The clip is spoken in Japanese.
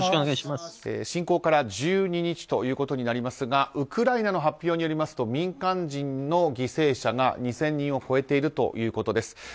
侵攻から１２日ということになりますがウクライナの発表によりますと民間人の犠牲者が２０００人を超えているということです。